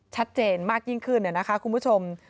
ชัดเจนมากยิ่งขึ้นนะคะคุณผู้ชม